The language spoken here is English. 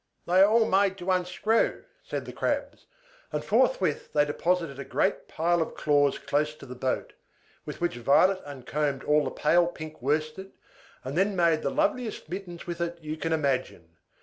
"They are all made to unscrew," said the Crabs; and forthwith they deposited a great pile of claws close to the boat, with which Violet uncombed all the pale pink worsted, and then made the loveliest mittens with it you can imagine.